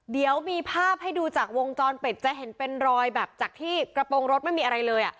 เดี๋ยวมีภาพให้ดูจากวงจรปิดจะเห็นเป็นรอยแบบจากที่กระโปรงรถไม่มีอะไรเลย